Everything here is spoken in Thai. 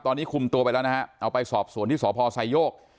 ตอนนี้คุมตัวไปแล้วนะฮะเอาไปสอบสวนที่สพไซโยก